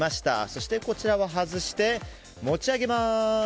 そしてこちらを外して持ち上げます。